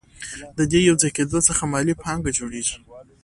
د دې یوځای کېدو څخه مالي پانګه جوړېږي